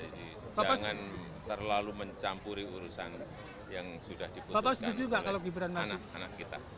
jangan terlalu mencampuri urusan yang sudah diputuskan anak anak kita